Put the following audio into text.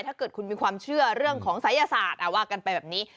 ถ้าเกิดคุณมีความเชื่อเรื่องของศัยศาสตร์ว่ากันไปแบบนี้